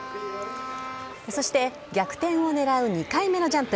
そして逆転を狙う２回目のジャンプ。